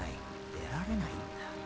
出られないんだ。